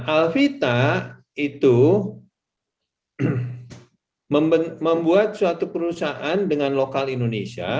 alvita itu membuat suatu perusahaan dengan lokal indonesia